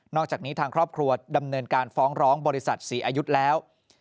อกจากนี้ทางครอบครัวดำเนินการฟ้องร้องบริษัทศรีอายุแล้ว